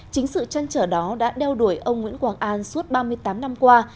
chính sự trăn trở đó đã đeo đuổi ông nguyễn quang an suốt ba mươi tám năm qua